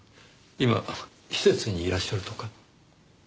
今施設にいらっしゃるとか。